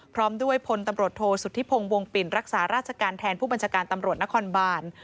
พร้อมด้วยพลตำรวจโทษสุธิพงศ์วงปิ่นรักษาราชการแทนผู้บัญชาการตำรวจนครบาน